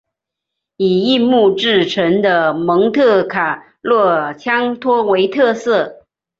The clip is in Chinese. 以硬木制成的蒙特卡洛枪托为特色。